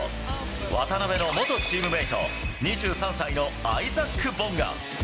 渡邊の元チームメート、２３歳のアイザック・ボンガ。